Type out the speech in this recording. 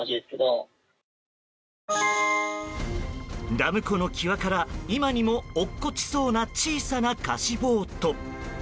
ダム湖の際から今にも落っこちそうな小さな貸しボート。